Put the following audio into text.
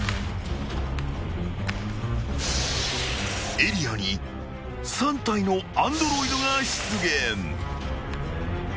［エリアに３体のアンドロイドが出現］